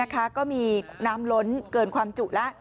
ก็มีน้ำล้นเกินความจุแล้ว